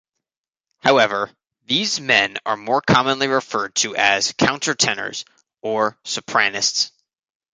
However, these men are more commonly referred to as countertenors or sopranists.